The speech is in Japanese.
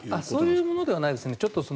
そういうものではないですね。